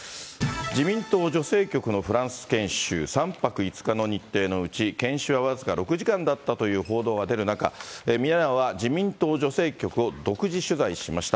自民党女性局のフランス研修、３泊５日の日程のうち、研修は僅か６時間だったという報道が出る中、ミヤネ屋は自民党女性局を独自取材しました。